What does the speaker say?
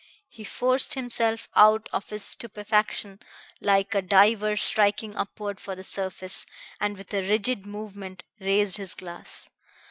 He forced himself out of his stupefaction like a diver striking upward for the surface, and with a rigid movement raised his glass.